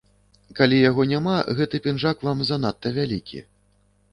Калі яго няма, гэты пінжак вам занадта вялікі.